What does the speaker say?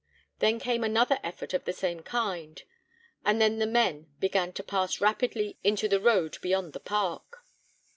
Then came another effort of the same kind, and then the men began to pass rapidly into the road beyond the park.